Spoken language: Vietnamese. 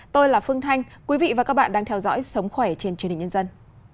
tôi là phương thanh quý vị và các bạn đang theo dõi sống khỏe trên chương trình nhân dân